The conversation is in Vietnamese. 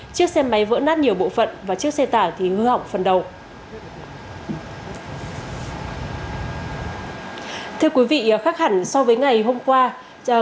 chiếc xe máy vỡ nát nhiều bộ phận và chiếc xe tải thì hư hỏng phần đầu